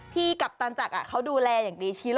กัปตันจักรเขาดูแลอย่างดี